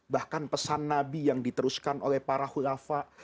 bahkan pesan nabi yang diteruskan oleh para khulafah